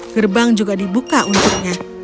gerbang juga dibuka untuknya